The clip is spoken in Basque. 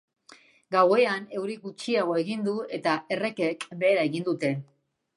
Gauean euri gutxiago egin du, eta errekek behera egin dute.